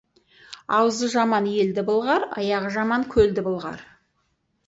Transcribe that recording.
Аузы жаман елді былғар, аяғы жаман көлді былғар.